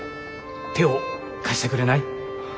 手を貸してくれない？